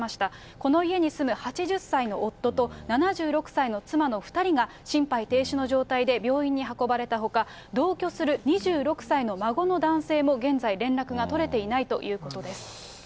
この家に住む８０歳の夫と７６歳の妻の２人が心肺停止の状態で病院に運ばれたほか、同居する２６歳の孫の男性も現在、連絡が取れていないということです。